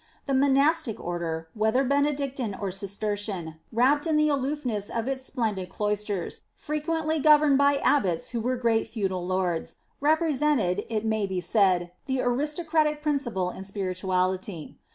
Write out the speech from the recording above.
The Monastic Order, whether Benedictine or Cistercian, wrapped in the aloofness of its splendid cloisters, frequently governed by abbots who were great feudal lords, represented, it might be said, the aristocratic principle in spirituality.